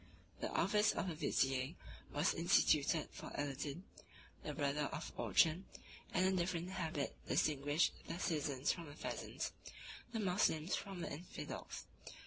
The office of vizier was instituted for Aladin, the brother of Orchan; 411 and a different habit distinguished the citizens from the peasants, the Moslems from the infidels.